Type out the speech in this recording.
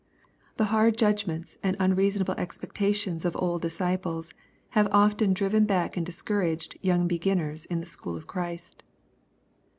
The hard judgments and unreasonable expectations of D^d disciples have often driven back and discouraged voung beginners in the school of Christ.